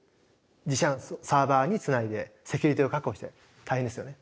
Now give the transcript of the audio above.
自社サーバーにつないでセキュリティーを確保して大変ですよね。